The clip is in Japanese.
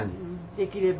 できれば。